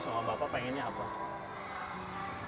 sama bapak pengennya apa